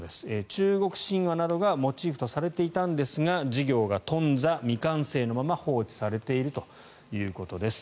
中国神話などがモチーフとされていたんですが事業が頓挫、未完成のまま放置されているということです。